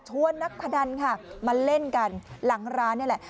นักพนันค่ะมาเล่นกันหลังร้านนี่แหละ